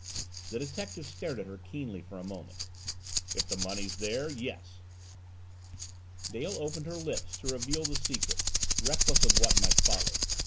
The detective stared at her keenly for a moment. "If the money's there yes." Dale opened her lips to reveal the secret, reckless of what might follow.